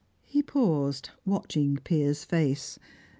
He paused, watching Piers' face.